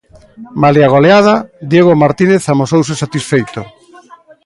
Malia goleada, Diego Martínez amosouse satisfeito.